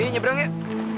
yudi nyebrang yuk